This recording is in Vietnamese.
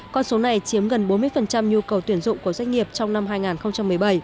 con số này chiếm gần bốn mươi nhu cầu tuyển dụng của doanh nghiệp trong năm hai nghìn một mươi bảy